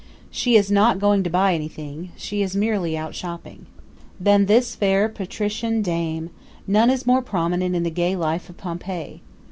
She is not going to buy anything she is merely out shopping. Than this fair patrician dame, none is more prominent in the gay life of Pompeii.